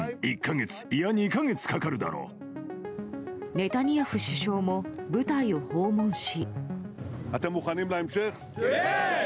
ネタニヤフ首相も部隊を訪問し。